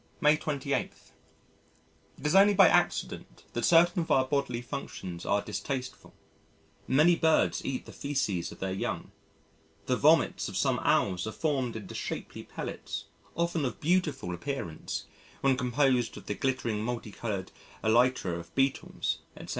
May 28. It is only by accident that certain of our bodily functions are distasteful. Many birds eat the faeces of their young. The vomits of some Owls are formed into shapely pellets, often of beautiful appearance, when composed of the glittering multi coloured elytra of Beetles, etc.